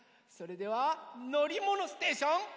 それでは「のりものステーション」。